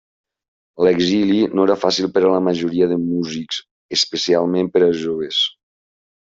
L'exili no era fàcil per a la majoria de músics, especialment per als joves.